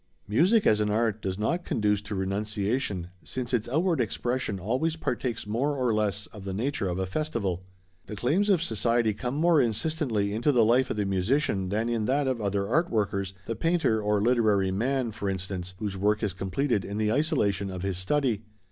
Music as an art does not conduce to renunciation, since its outward expression always partakes more or less of the nature of a festival. The claims of society come more insistently into the life of the musician than in that of other art workers, the painter or literary man, for instance, whose work is completed in the isolation of his study.